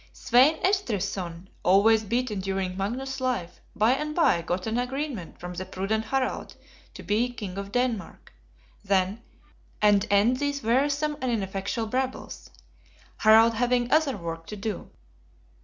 Svein Estrithson, always beaten during Magnus's life, by and by got an agreement from the prudent Harald to be King of Denmark, then; and end these wearisome and ineffectual brabbles; Harald having other work to do.